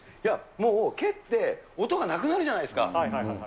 もう、蹴って、音がなくなるじゃないですか。